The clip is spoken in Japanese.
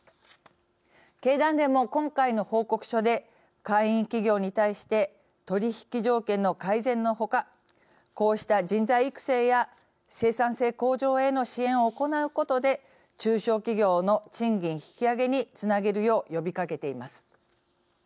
経団連も、今回の報告書で会員企業に対して取引条件の改善の他こうした人材育成や生産性向上への支援を行うことで中小企業の賃金引き上げにつなげるよう呼びかけています。